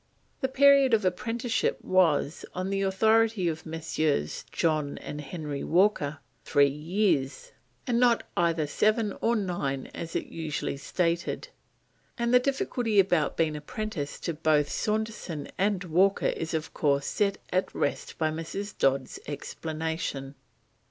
The period of apprenticeship was, on the authority of Messrs. John and Henry Walker, three years, and not either seven or nine as is usually stated, and the difficulty about being apprenticed to both Saunderson and Walker is, of course, set at rest by Mrs. Dodd's explanation.